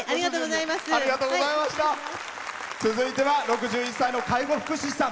続いては６１歳の介護福祉士さん。